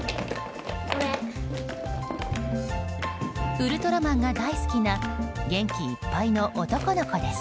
ウルトラマンが大好きな元気いっぱいの男の子です。